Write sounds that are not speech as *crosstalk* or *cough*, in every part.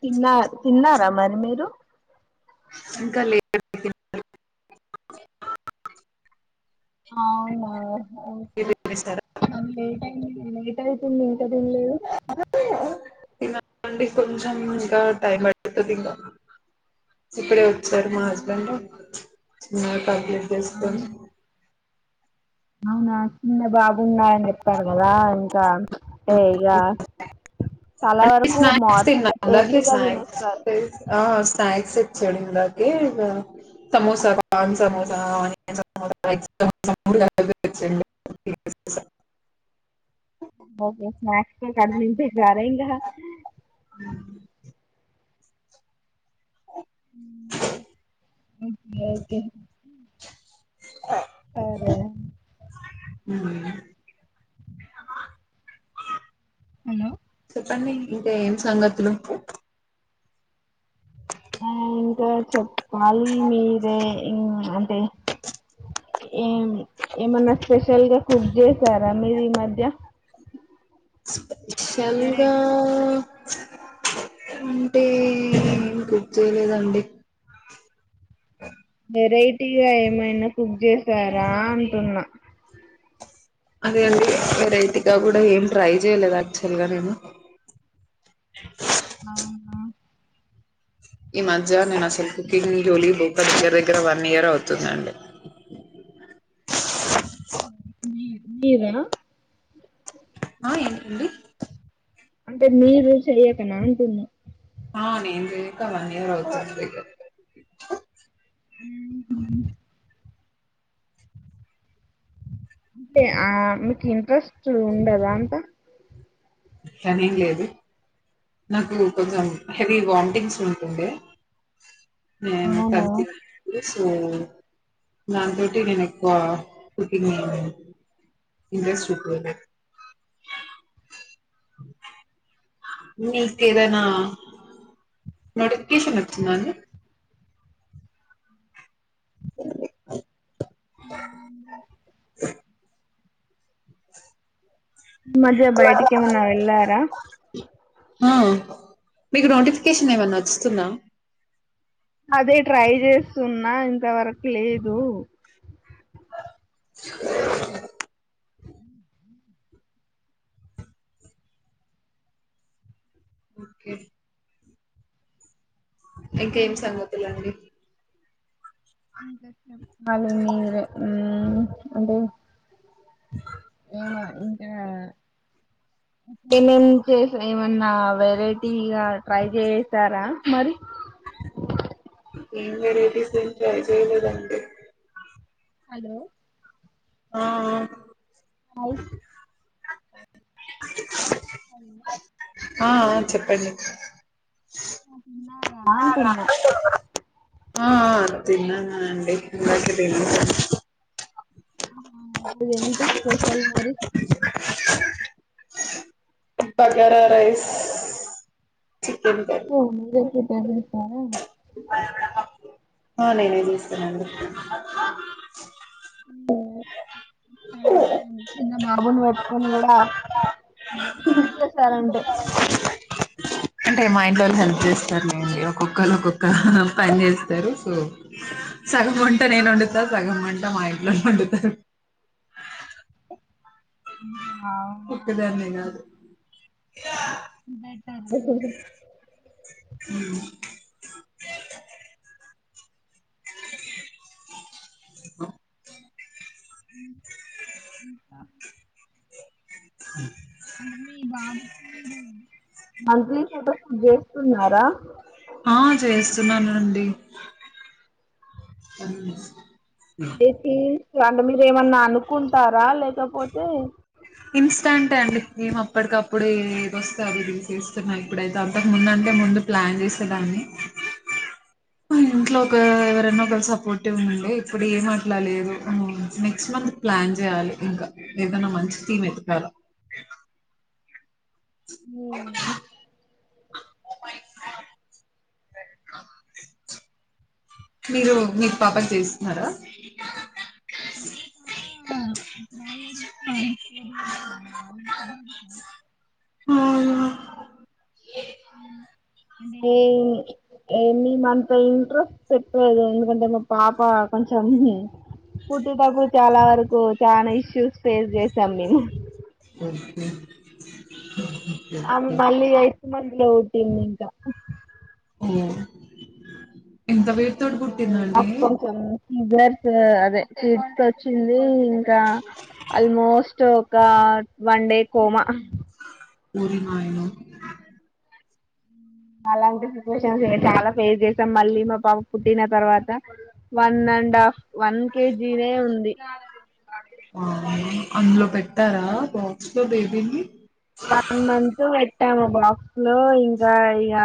Thinner తిన్నారా మరి మీరు ఇంకాలే *inaudible* అవునా ఓకే మీరు తినేసారా హం లె టైం లేటైతుంది ఇంక్కా తినలేదు తినాలాండి కొంచెం ఇంకా టైం పడుతదింగా ఇప్పుడే ఓచ్చారు మా హస్బెండ్ చిన్నగా కంప్లీట్ చేస్కొని అవునా చిన్న జాబు ఉన్నాడని జేప్పాడు గాదా ఇంకా అంటే ఇగా చాలా అంటే వరకు స్నాక్స్ మాత్ తిన్నా ఇందాకే ఎర్లీగా స్నాక్స్ దినేస్తారు ఆ స్నాక్స్ దేచ్చాడు ఇందాకే సమోస కాన్ సమోస ఆనియన్సమోసా ఏ *inaudible* ఓకే స్నక్స్ కె కడుపునింపేసరా ఇంకా ఉమ్మ్ ఉహ్ ఓకే అరే మ్మ్. హలో చెప్పండి ఇంక ఎం సంగతులు ఆ ఇంకా చెప్పాలి మీరే ఉమ్మ్ అంటే ఏం ఏమన్నా స్పెషల్ గా కుక్ జేసారా మీర్ ఈమధ్య స్పెషల్గా వెరైటీగా అంటే ఏం కుక్జెలేదండి వెరైటీగా ఏమైనా కుక్ జేసారా అంటున్నా అదే అండి వెరైటీగా గూడా ఏం ట్రై జేలేదు ఆక్చల్గా నేను అవునా ఈ మధ్య నేన్ అసల్ కుకింగ్ జోలీ బోక దగ్గర దగ్గర వన్నీయియర్ అవుతుందండి మీర్ మీరా ఆ ఏంటండీ అంటే మీరు చెయ్యకనా అంటున్నా ఆ నెంజేయక వన్నీయర్ అవుతుంది ఉమ్మ్ హు అంటే ఆ మీకు ఇంట్రెస్టూ ఉండదా అంత అట్లనేం లేేదు నాకు కొంజాం హెవీ వాంటింగ్స్ ఉంటుండే నేను అవును కన్సివ్ అయినపుడు సో నాకంటే నేను ఎక్కువా కుక్కింగ్ ఎం ఇంటరెస్ట్ చూపియ్యలేదు మీకేదన్న నోటిఫికేషన్ ఓచ్చిందా అండి ఉమ్మ్ ఈ మధ్య బయటికెమన్నా వెళ్ళారా అ మీకు నోటిఫికేషన్ ఏమన్నా వచ్చుతుందా అదే ట్రై జేస్తున్నా ఇంతవరకు లేదు ఒక్కె ఇంకెం సంగతులండి *unintelligible* ఇంట్ల అచ్చినప్పుడు బాగోదు కదా ఉమ్ అది ఏమో ఇంకా రా *unintelligible* పిల్లల్ని చేసినా ఏమన్నా వెరైటీగా ట్రై జేసారా మరి ఏం వెరైటీస్ ఎం ట్రై చేయలేదండి. హలో ఆ ఆ హై ఐన్ద ఆ ఆ చెప్పండి. *unintelligible* ఆఫ్న్ఆర్ ఆ డబ్బులు ఆ ఆ తిన్నాకదండి ఇదివరకే తిన్న *inaudible* ఆ ఆ ఇప్పుడేంటి స్పెషల్ మరి bagara rice chicken *unintelligible* curry hello మీరే ప్రిపేర్ చేసార? అ నేనే జేస్తనండి అమ్మో చాలా ఓపిక చిన్న బాబుని వెట్టుకొని గూడా కుక్ జేసారంటే అంటే మా ఇంట్లోల్లు హెల్ప్ జేస్తార్లేండి ఒక్కొక్కలు ఒక్కొక్క హా పన్జేస్తరు సో సగం వంట నేనొండుత అవునా సగం వంట మా ఇంట్లోల్లోండుతరు హు ఒక్కదాన్నే గాదు బెటర్ హ్ హుమ్ హుమ్ ఉమ్ హా అంటే మీ బాబుకి మీరు మంత్లీ ఫోటో షూట్ జేస్ ఆ చేస్ న్నానండి *inaudible* అంటే మీరేమన్ననుకుంటరా లేకపోతే ఇన్స్టంట్ అండి మేం అప్పడికప్పుడే ఏదోస్తే అది దీసేస్తున్నా ఇప్పుడైతే అంతకముందంటె ముందు ప్లాన్ జేసేదాన్ని ఇంట్లో ఒక ఎవరొన్న ఒకరు సపోట్ పోర్టివ్ ఉండే ఇప్పుడెం మట్లాలేదు. నెక్స్ట్ మంత్ ప్లాన్ జేయాలి ఇంకా ఎదన్నా మన్ *unintelligible* స్టిమేట్ లాగా ఉమ్ హ్ మిరూ మి పపని తీస్తున్నారా? పపా ఔను అంటే ఏ మిమన్త ఇంట్రెస్ట్ పెట్ట్లేదు ఎందుకంటే మా పాప కొంచం పుట్టేటపుడ్ చాలా వరకు చానా ఇష్యూస్ ఫేస్ చేసాం మేము ఓకే ఓకే అమే ఓకే మళ్ళీ యైత్ మంత్లో పుట్టిందింకా అయ్యో నాక్ కొంచం సీజర్స్ అదే *inaudible* వచ్చింది ఇంకా ఆల్మోస్ట్ ఒక వన్ డే కోమ ఒరినాయనో అలాంటి సిచ్యువేషన్స్ ఎ చాలా ఫేస్ చేసాం మళ్ళీ మా పాప పుట్టిన తర్వాత వన్ అన్ అండఫ్ వన్ కేజీ నె ఉంది వామ్మ అంద్లో పెట్టారా బాక్స్ లో బేబీని వన్ మంత్ పెట్టాము బాక్స్ లో ఇంకా ఇగ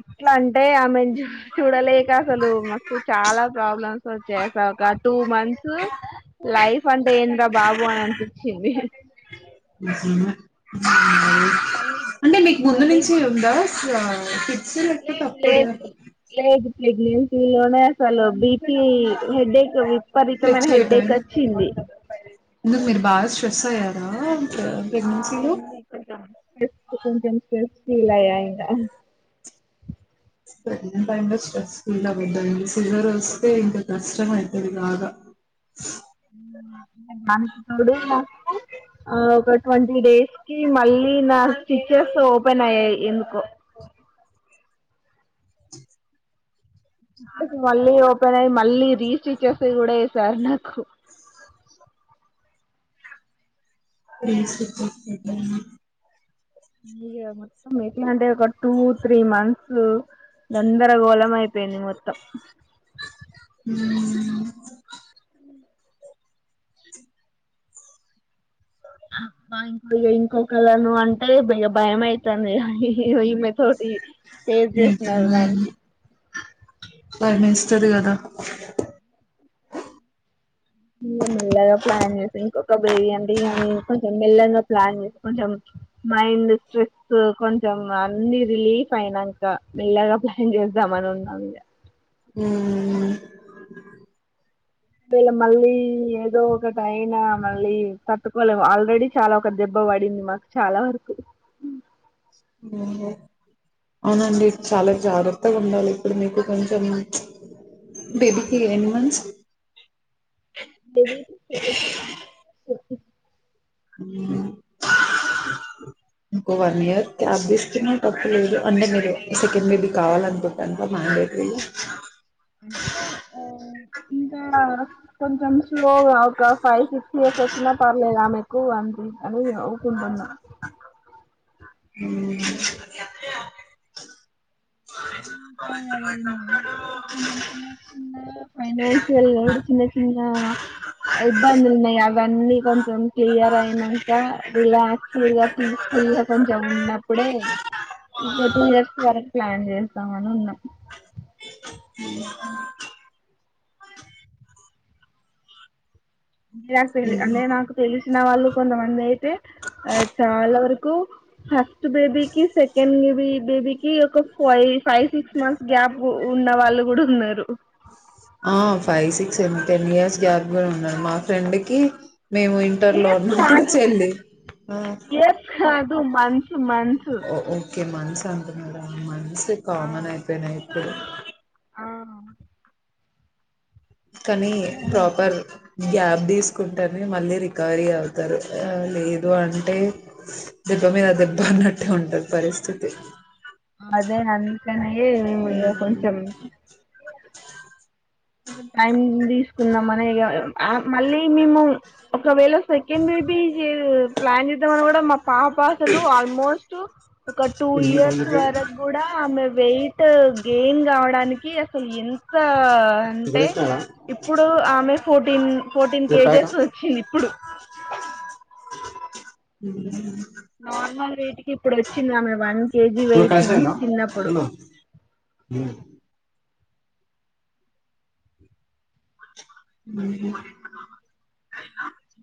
ఎట్లాంటే ఆమెన్ జు చూడలేక్ గ అసలు మాకు చాలా ప్రాబ్లమ్స్ వచ్చయ్అసలా ఒక టూ మంత్స్ లైఫ్ అంటే ఏంద్ర బాబు అని అన్పించింది ఉహు మళ్ళీ అంటే మీక్ ముందు నుంచే ఉందా లా తిప్ లేద్ లేద్ లే లేదు ప్రెగ్నెన్సీ లోనే అసలు బి పీ హెడేక్ విపరీతమైన ఫ్లెక్చువేట్ అయింది హెడేకోచ్చింది అ *unintelligible* ప్రెగ్నెన్సీలో *unintelligible* కొంచం స్ట్రెస్ ఫీల్ అయ్య ఇంకా సర్లే టైం వేస్ట్ *unintelligible* సీనియర్ వస్తే ఇంక కష్టం అయితది బాగా *unintelligible* నాకు ఆ ఒక ట్వంటీ డేస్ కి మళ్ళీ నా స్టిచెస్ ఓపెన్ అయ్యాయ్ ఎందుకో మళ్ళీ ఓపెన్ అయ్ మళ్ళీ రీస్టిచెస్ కూడా ఎసార్ నాకు రీస్టిచస్ *unintelligible* ఇగ మొత్తం ఎట్లాంటే ఒక టూ త్రీ మంత్సు గందరగోళం అయ్పోయింది మొత్తం ఉమ్ అబ్బా ఇంక ఇగ ఇంకొకలను అంటే బేగ భయమైతాంది ఇగ ఇగో ఈమే తోటి ఫేజ్ చేస్నాధన్కి చది గదా ఇంగ మెల్లగా ప్లాన్ చేస్తే ఇంకొక బేబీ అంటే ఇగ మేం కొంచం మెల్లగా ప్లాన్ చేస్ కొంచం మైండ్ స్ట్రెస్ కొంచెం అన్ని రిలీఫ్ ఐనాంక మెల్లగా ప్లాన్ చేస్ గమనుంన్నదీ ఇగ ఉమ్ కేల మళ్ళీ ఏదో ఒకటైనా మళ్ళీ తట్టుకోలేమ్ ఆల్రెడీ చాలా ఒక దెబ్బ బడింది మాక్ చాలా వరకు అవ్నండి చాలా జాగ్రత్తగా ఉండాలి ఇప్పుడు మీకు కొంచం బేబీకిి ఎన్ని మంత్స్ *unintelligible* ఉమ్ ఇంకో వన్ ఇయర్ గ్యప్ తీస్కున్న తప్పు లేదు అంటే మీరు సెకండ్ బేబీ కావాలన్కుంటే పాపం ఆయన్ *inaudible* అంటే ఒ ఇంకా కొంచెం స్లో ఒక ఫైవ్ సిక్స్టీ ఇయర్స్ వచ్చినా పర్లేదు మీకు అ ను ఔకుంటున్న ఉమ్ అదే మా కూడా కొంచం చిన్న చిన్న ఫైనాన్సియల్ లోడ్ చిన్న చిన్న ఇబ్బందులు ఉన్నాయి అవన్నీ కొంచెం క్లియర్ అయినాక రిలాక్స్ఫుల్ గా పీస్ ఫ్రీ గా కొంచెం ఉన్నప్పుడే ఇంక టూ ఇయర్స్ వరకు ప్లాన్ చేస్తాం అని ఉన్నాం ఊహ్మ్మ్ అంటే నాకు తె అంటే నాకు తెలిసిన వాళ్ళు కొంతమంది అయితే ఆ చాలా వరకు కు హ ఫస్ట్ బేబీకి సెకండ్ బేబీకి ఒక ఫైవ్ సిక్స్ మంత్స్ గ్యాప్ ఉన్నవాళ్ళు కూడా ఉన్నారు ఆ five six ten years gap కూడా ఉన్నారు మా ఫ్రెండ్ కి మేము ఇంటర్ లో ఇయర్స్ ఉన్నప్పుడు కాదు చెల్లి టు మంత్స్ మంత్స్ ఓ ఓకె మంత్స్ అంటున్నార మంత్స్ ఆ కామన్ అయిపోయినా ఇప్పుడు ఆ కానీ ప్రాపర్ గ్యాప్ తీసుకుంటేనే మళ్ళీ రికవరీ అవుతారు లేదు అంటే దెబ్బ మీద దెబ్బ ఉన్నట్టే ఉంటంది పరిస్థితి అదే ననకనేయే కొంచం అది ప్లాన్ ఏంది కుందాం అనేఈగ మళ్ళీ మేము ఒకవేళ సెకండ్ బేబీ ఇర్ ప్లాన్ చేద్దాం అన్న మా పాప అసలు ఆల్మోస్ట్ ఒక టూ ఇయర్స్ వరకు ఇక్కడ తిన్న కూడా ఆమె వెయిట్ గెయిన్ కావడానికి అసలు ఎంత అంటే ఇస్తున్నారా ఇప్పుడు ఆమె ఫోర్టీన్ ఫోర్టీన్ చెప్పాక కేజెస్ వచ్చింది ఇప్పుడు నార్మల్ వెయిట్ కి ఇప్పుడు వచ్చిందామె వన్ కేజీ నువ్వు వెయిట్ నుంచి చిన్నప్పుడు హ్మ్ హు హుమ్మ్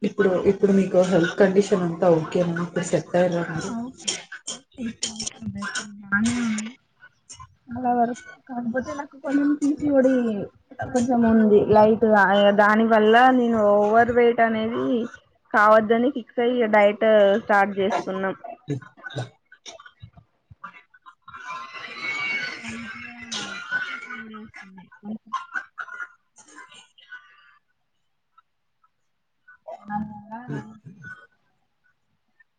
ఇప్పుడు ఇప్పుడు మీకు హెల్త్ కండిషన్ అంతా ఓకేన ఇప్పుడు సెట్ అయ్యారా హ మీరు ఓకే ఓకే ఇప్పుడు బానే ఉంది అలా వరకు కాన్ఫర్ట్ నాకు కొంచెం పీసీఓడి కొంచం ఉంది లైట్ దాని వల్ల నేను ఓవర్ వెయిట్ అనేది కావద్దని ఫిక్స్ ఐయి డైట్ స్టార్ట్ చే కిర్ కిర్ ఐతదా ట్వ డేస్ ఉంది అలగలా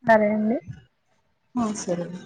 సారే అండి ఆ సరేడీ